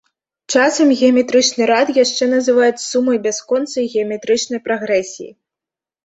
Часам геаметрычны рад яшчэ называюць сумай бясконцай геаметрычнай прагрэсіі.